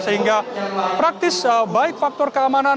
sehingga praktis baik faktor keamanan